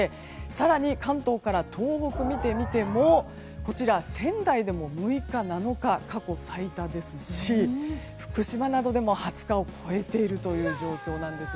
更に関東から東北を見るとこちら、仙台でも６日、７日過去最多ですし福島などでも２０日を超えている状況なんです。